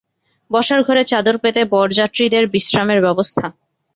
বসার ঘরে চাদর পেতে বরযাত্রীদের বিশ্রামের ব্যবস্থা।